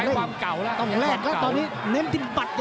โอ้โหโอ้โหโอ้โหโอ้โหโอ้โห